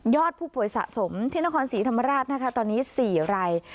ผู้ป่วยสะสมที่นครศรีธรรมราชนะคะตอนนี้๔ราย